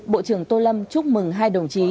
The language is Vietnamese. bộ trưởng tô lâm chúc mừng hai đồng chí